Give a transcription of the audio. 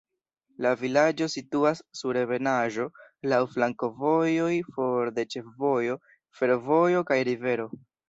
La vilaĝo situas sur ebenaĵo, laŭ flankovojoj, for de ĉefvojo, fervojo kaj rivero.